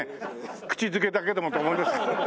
口づけだけでもと思いますけど。